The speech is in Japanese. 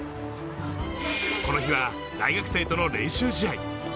この日は大学生との練習試合。